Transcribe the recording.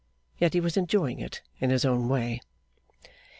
Yet he was enjoying it in his own way.